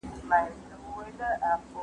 د ټولنې د حالاتو ګذشته معلومات مهم دي.